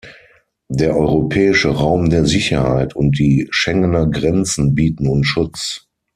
Der europäische Raum der Sicherheit und die Schengener Grenzen bieten uns Schutz.